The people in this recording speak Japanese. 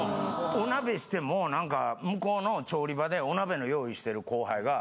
お鍋してもなんか向こうの調理場でお鍋の用意してる後輩が。